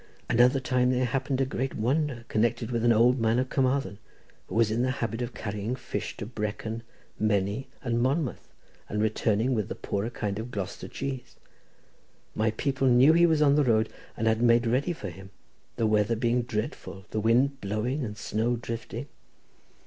"Another time there happened a great wonder connected with an old man of Carmarthen, who was in the habit of carrying fish to Brecon, Menny, and Monmouth, and returning with the poorer kind of Gloucester cheese: my people knew he was on the road, and had made ready for him, the weather being dreadful, wind blowing and snow drifting.